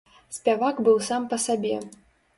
Спявак быў сам па сабе.